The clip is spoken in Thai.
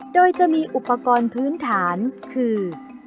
โดยจะมีอุปกรณ์พื้นฐานคือ